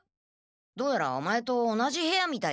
どうやらお前と同じ部屋みたいだな。